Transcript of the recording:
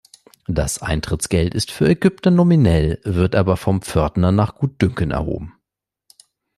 Das Eintrittsgeld ist für Ägypter nominell, wird aber vom Pförtner nach Gutdünken erhoben.